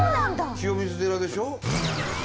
清水寺でしょ？